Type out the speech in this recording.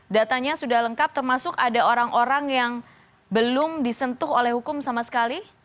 datanya sudah lengkap termasuk ada orang orang yang belum disentuh oleh hukum sama sekali